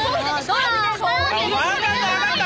わかったわかった！